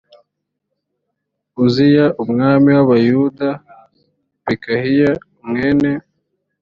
uziya umwami w abayuda pekahiya mwene